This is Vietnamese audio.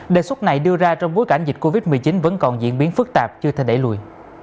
đề xuất này đưa ra trong bối cảnh dịch covid một mươi chín vẫn còn diễn biến phức tạp chưa thể đẩy lùi